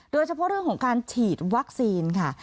โดยเฉพาะเรื่องของการฉีดวัคซีนค่ะ